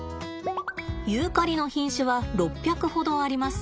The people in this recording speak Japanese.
ユーカリの品種は６００ほどあります。